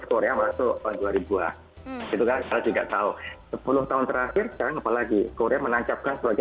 korea masuk ke dua itu kan saya juga tahu sepuluh tahun terakhir kan apalagi korea menancapkan sebagai